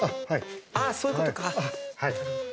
そういうことか！